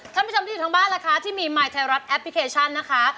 ที่อยู่ทั้งบ้านล่ะคะที่มีหมากเทคไปสัมภาษะแบบนะคะ